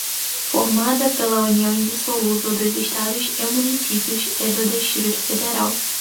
formada pela união indissolúvel dos Estados e Municípios e do Distrito Federal